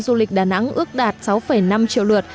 du lịch đà nẵng ước đạt sáu năm triệu lượt